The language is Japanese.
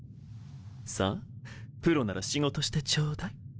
さぁプロなら仕事してちょうだい。